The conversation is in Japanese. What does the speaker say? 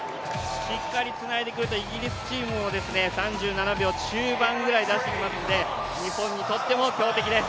しっかりつないでくると、イギリスチームも３７秒中盤ぐらい出してきますので日本にとっても強敵です。